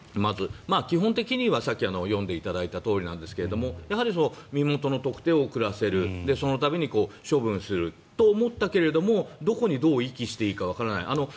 基本的にはさっき読んでいただいたとおりなんですがやはり、身元の特定を遅らせるそのために処分すると思ったけれどもどこにどう遺棄していいかわからない。